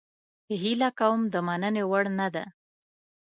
هیله کوم د مننې وړ نه ده.